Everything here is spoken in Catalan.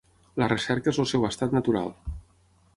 La recerca és el seu estat natural.